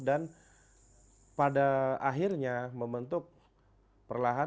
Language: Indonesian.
dan pada akhirnya membentuk perlahan